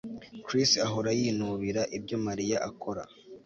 Chris ahora yinubira ibyo Mariya akora